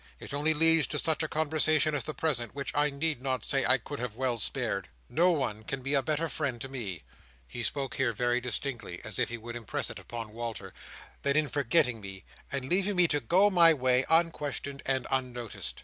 "It only leads to such a conversation as the present, which I need not say I could have well spared. No one can be a better friend to me:" he spoke here very distinctly, as if he would impress it upon Walter: "than in forgetting me, and leaving me to go my way, unquestioned and unnoticed."